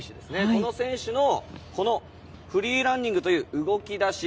この選手のフリーランディングという動き出し。